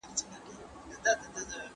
نور سازمانونه هم سياسي فعاليتونه نلري؟